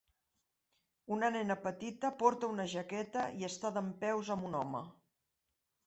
Una nena petita porta una jaqueta i està dempeus amb un home.